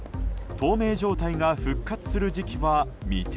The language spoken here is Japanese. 透明状態が復活する時期は未定。